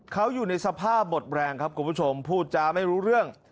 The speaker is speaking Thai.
เขาอยู่ในสภาพหมดแรงครับคุณผู้ชมพูดจาไม่รู้เรื่อง